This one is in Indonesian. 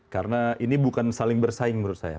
karena ini bukan saling bersaing menurut saya